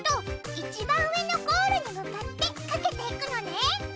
いちばんうえのゴールに向かってかけていくのね！